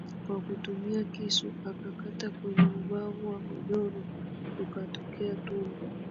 Kwa kutumia kisu akakata kwenye ubavu wa godoro kukatokea tundu